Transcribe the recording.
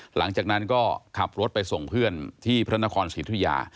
หลังจากนั้นก็ขับรถไปส่งเพื่อนที่พระนครศรีธุยา